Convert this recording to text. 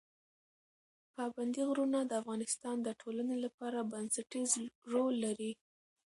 پابندی غرونه د افغانستان د ټولنې لپاره بنسټيز رول لري.